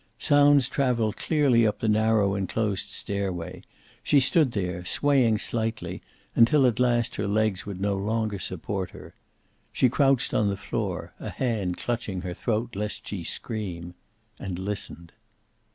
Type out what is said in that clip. Sounds traveled clearly up the narrow enclosed stairway. She stood there, swaying slightly, until at last her legs would no longer support her. She crouched on the floor, a hand clutching her throat, lest she scream. And listened.